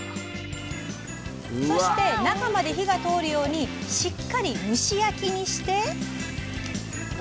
そして、中まで火が通るようにしっかり蒸し焼きにして。